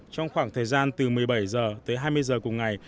trong khoảng thời gian từ một mươi bảy h tới hai mươi giờ cùng ngày